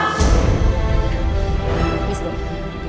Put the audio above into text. miss du kamu siap kakak